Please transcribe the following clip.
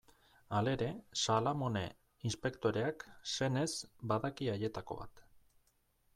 Halere, Salamone inspektoreak, senez, badaki haietako bat.